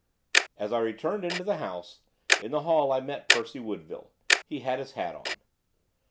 As I returned into the house, in the hall I met Percy Woodville. He had his hat on.